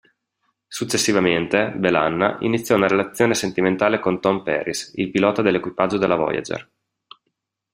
Successivamente, B'Elanna iniziò una relazione sentimentale con Tom Paris, il pilota dell'equipaggio della Voyager.